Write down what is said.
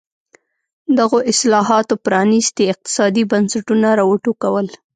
دغو اصلاحاتو پرانېستي اقتصادي بنسټونه را وټوکول.